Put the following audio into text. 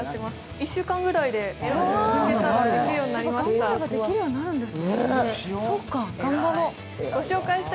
１週間ぐらいでできるようになりました。